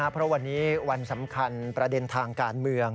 เพราะวันนี้วันสำคัญประเด็นทางการเมือง